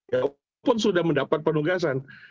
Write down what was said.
walaupun sudah mendapat penugasan